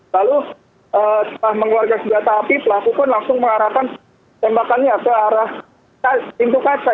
lalu setelah mengeluarkan senjata api pelaku pun langsung mengarahkan tembakannya ke arah pintu kaca